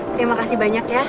terima kasih banyak ya